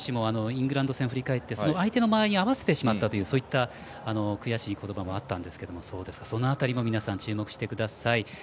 具選手も相手の間合いに合わせてしまったという悔しい言葉もあったんですがその辺りも皆さん、注目してください。